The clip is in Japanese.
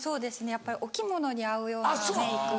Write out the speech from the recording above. やっぱりお着物に合うようなメイク。